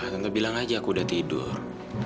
tante bilang aja aku udah tidur